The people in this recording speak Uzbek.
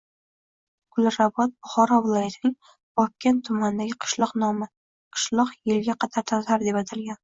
Gulrabot – Buxoro viloyatining Vobkent tumanidagi qishloq nomi. Qishloq yilga qadar Tatar deb atalgan.